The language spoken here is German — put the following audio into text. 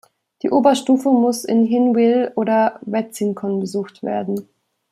Die Oberstufe muss in Hinwil oder Wetzikon besucht werden.